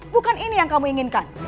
bukan ini yang kamu inginkan